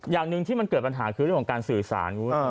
อย่างหนึ่งที่มันเกิดปัญหาคือเรื่องของการสื่อสาร